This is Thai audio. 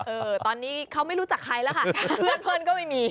เออตอนนี้เขาไม่รู้จักใครแล้วค่ะเพื่อนก็ไม่มี